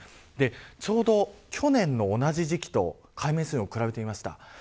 ちょうど、去年の同じ時期と海面水温を比べてみました。